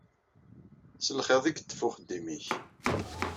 S lxiḍ i yeṭṭef uxeddim-ik.